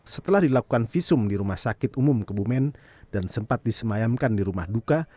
setelah dilakukan visum di rumah sakit umum kebumen dan sempat disemayamkan di rumah duka